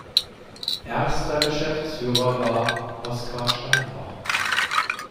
Erster Geschäftsführer war Oskar Steinbach.